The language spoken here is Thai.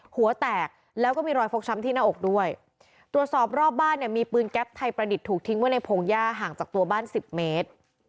หัวแตกแล้วก็มีรอยฟกช้ำที่หน้าอกด้วยตรวจสอบรอบบ้านเนี่ยมีปืนแก๊ปไทยประดิษฐ์ถูกทิ้งไว้ในพงหญ้าห่างจากตัวบ้านสิบเมตร